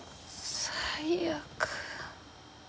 最悪。